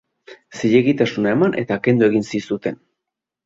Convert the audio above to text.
Zilegitasuna eman eta kendu egin zizuten.